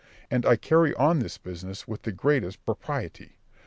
and I carry on this business with the greatest propriety.